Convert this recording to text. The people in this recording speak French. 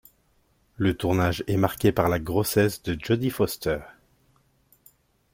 Le tournage est marqué par la grossesse de Jodie Foster.